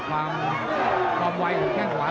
โหดแก้งขวาโหดแก้งขวา